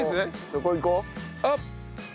そこいこう。